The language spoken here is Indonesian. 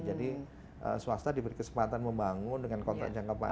jadi swasta diberi kesempatan membangun dengan kontrak jangka panjang